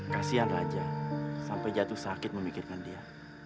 kasian raja sampai jatuh sakit memikirkan dia